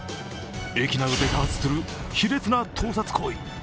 駅などで多発する卑劣な盗撮行為。